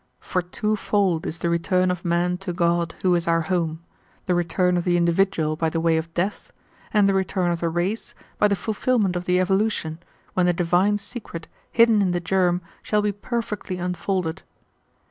For twofold is the return of man to God 'who is our home,' the return of the individual by the way of death, and the return of the race by the fulfillment of the evolution, when the divine secret hidden in the germ shall be perfectly unfolded.